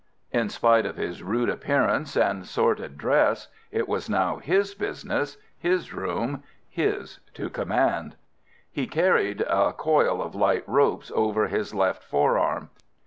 In spite of his rude appearance and sordid dress, it was now his business, his room, his to command. He carried a coil of light ropes over his left fore arm.